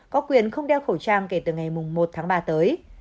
có quyền không đeo khẩu trang kể từ ngày một tháng ba tới